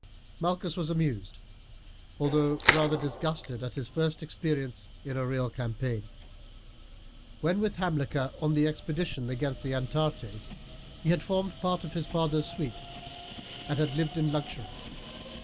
Malchus was amused, although rather disgusted at his first experience in a real campaign. When with Hamilcar on the expedition against the Atarantes he had formed part of his father's suite and had lived in luxury.